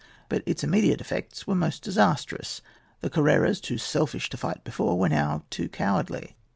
But its immediate effects were most disastrous. The Carreras, too selfish to fight before, were now too cowardly.